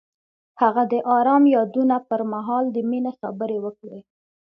هغه د آرام یادونه پر مهال د مینې خبرې وکړې.